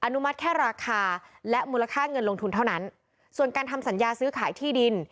นุมัติแค่ราคาและมูลค่าเงินลงทุนเท่านั้นส่วนการทำสัญญาซื้อขายที่ดิน